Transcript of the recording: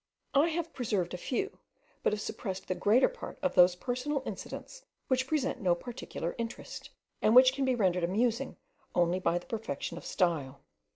I have preserved a few, but have suppressed the greater part of those personal incidents which present no particular interest, and which can be rendered amusing only by the perfection of style.